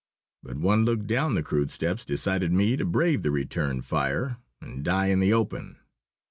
But one look down the crude steps decided me to brave the return fire and die in the open.